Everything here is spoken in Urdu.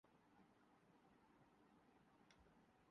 کوہلی کے نہ کھیلنے سے بھارتی ٹیم کو فرق پڑسکتا ہے سرفراز